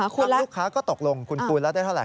คุณลูกค้าก็ตกลงคุณคูณแล้วได้เท่าไ